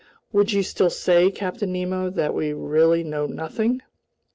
Would you still say, Captain Nemo, that we really know nothing?"